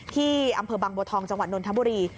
ที่อำเภอบางบัวทองจังหวัดนนทบุรี